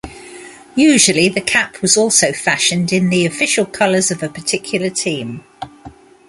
Usually, the cap was also fashioned in the official colors of a particular team.